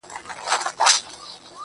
موږه د هنر په لاس خندا په غېږ كي ايښې ده~